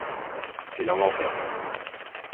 C’est l’inventaire